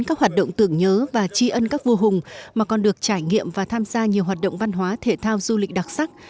các hoạt động tưởng nhớ và tri ân các vua hùng mà còn được trải nghiệm và tham gia nhiều hoạt động văn hóa thể thao du lịch đặc sắc